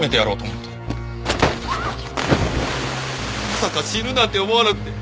まさか死ぬなんて思わなくて！